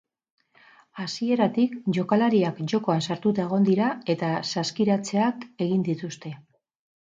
Hasieratik jokalariak jokoan sartuta egon dira eta saskiratzeak egin dituzte.